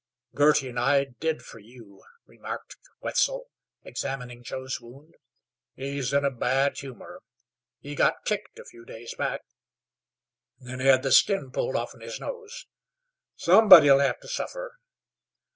"Girty nigh did fer you," remarked Wetzel, examining Joe's wound. "He's in a bad humor. He got kicked a few days back, and then hed the skin pulled offen his nose. Somebody'll hev to suffer.